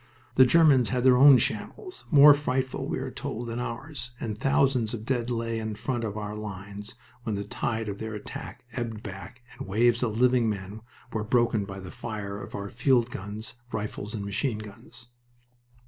The Germans had their own shambles, more frightful, we were told, than ours, and thousands of dead lay in front of our lines when the tide of their attack ebbed back and waves of living men were broken by the fire of our field guns, rifles, and machine guns.